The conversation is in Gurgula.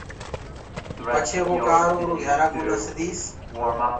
پڇي وو ڪآرو اُرو گھيآرآ ڪوُ ڏس ديس۔